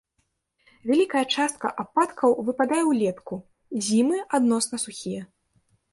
Вялікая частка ападкаў выпадае ўлетку, зімы адносна сухія.